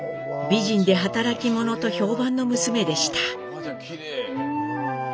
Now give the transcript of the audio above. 美人で働き者と評判の娘でした。